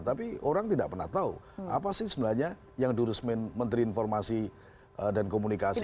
tapi orang tidak pernah tahu apa sih sebenarnya yang diurus menteri informasi dan komunikasi